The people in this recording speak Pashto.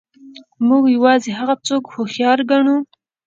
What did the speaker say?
موږ یوازې هغه څوک هوښیار ګڼو.